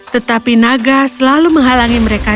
tetapi naga selalu menghalangi mereka